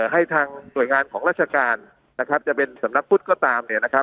ให้ทางหน่วยงานของราชการนะครับจะเป็นสำนักพุทธก็ตามเนี่ยนะครับ